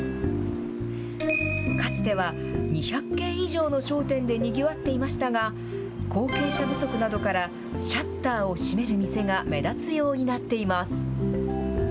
かつては２００軒以上の商店でにぎわっていましたが、後継者不足などからシャッターを閉める店が目立つようになっています。